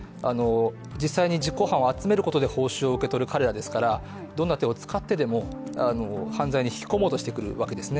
実際に実行犯を集めることで報酬を受け取る彼らですからどんな手を使ってでも犯罪に引き込もうとしてくるわけですね。